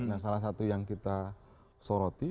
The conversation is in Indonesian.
nah salah satu yang kita soroti